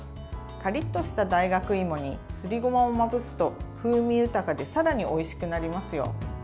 カリッとした大学いもにすりごまをまぶすと風味豊かでさらに、おいしくなりますよ。